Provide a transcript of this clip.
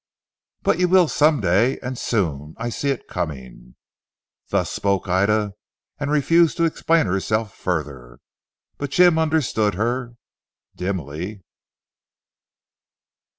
"But you will some day, and soon. I see it coming." Thus spoke Ida, and refused to explain herself further. But Jim understood her dimly.